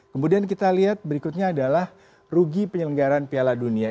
kemudian kita lihat berikutnya adalah rugi penyelenggaran piala dunia